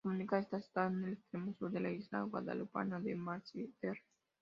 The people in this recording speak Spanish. La comuna está situada en el extremo sur de la isla guadalupana de Basse-Terre.